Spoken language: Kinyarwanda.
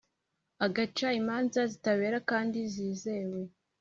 agaca imanza zitabera kandi zizewe